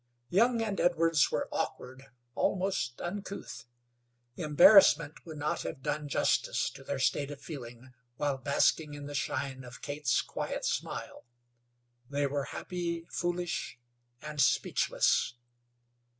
Young and Edwards were awkward, almost uncouth. Embarrassment would not have done justice to their state of feeling while basking in the shine of Kate's quiet smile. They were happy, foolish, and speechless.